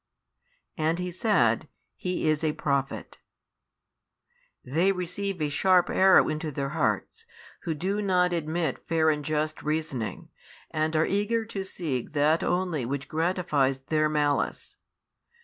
And he said, He is a prophet. They receive a sharp arrow into their hearts, who do not admit fair and just reasoning, and are eager to seek that only which gratifies their malice.